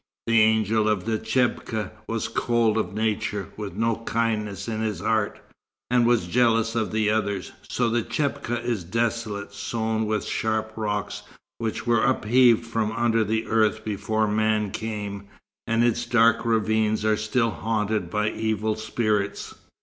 The Angel of the Chebka was cold of nature, with no kindness in his heart, and was jealous of the others; so the Chebka is desolate, sown with sharp rocks which were upheaved from under the earth before man came, and its dark ravines are still haunted by evil spirits.